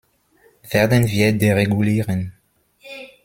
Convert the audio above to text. Werden wir deregulieren?